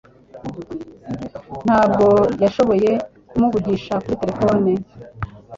Ntabwo yashoboye kumuvugisha kuri terefone